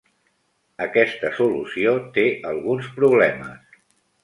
Aquesta solució té alguns problemes.